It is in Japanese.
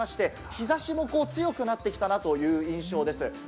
日差しも強くなってきたなという印象です。